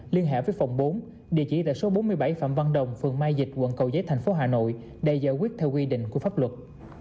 liên hệ với phòng bốn địa chỉ là số bốn mươi bảy phạm văn đồng phường mai dịch quận cầu giấy tp hà nội đầy giải quyết theo quy định của pháp luật